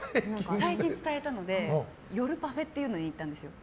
最近は夜パフェっていうのに行ったんですよ。